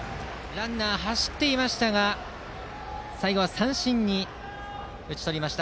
ランナー走っていましたが最後は三振に打ち取りました。